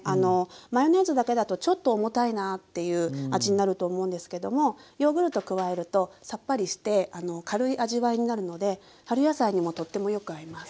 マヨネーズだけだとちょっと重たいなっていう味になると思うんですけどもヨーグルト加えるとさっぱりして軽い味わいになるので春野菜にもとってもよく合います。